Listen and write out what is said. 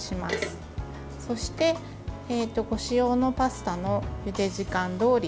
そしてご使用のパスタのゆで時間どおり